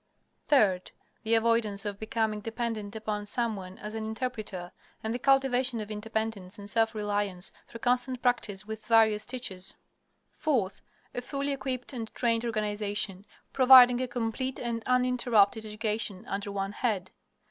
Third. The avoidance of becoming dependent upon some one as an interpreter, and the cultivation of independence and self reliance through constant practice with various teachers. Fourth. A fully equipped and trained organization, providing a complete and uninterrupted education under one head.